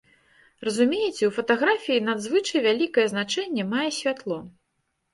Разумееце, у фатаграфіі надзвычай вялікае значэнне мае святло.